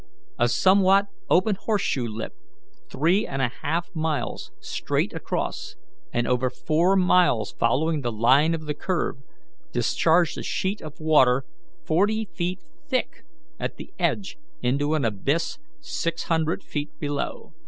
A somewhat open horseshoe lip, three and a half miles straight across and over four miles following the line of the curve, discharged a sheet of water forty feet thick at the edge into an abyss six hundred feet below.